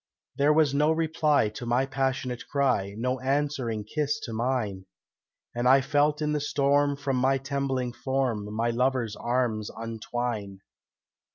There was no reply to my passionate cry, No answering kiss to mine, And I felt in the storm from my trembling form My lover's arms untwine.